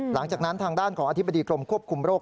หลังจากนั้นทางด้านของอธิบดีกรมควบคุมโรค